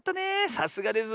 さすがです。